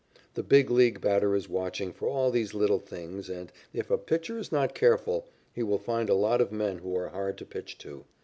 The Big League batter is watching for all these little things and, if a pitcher is not careful, he will find a lot of men who are hard to pitch to.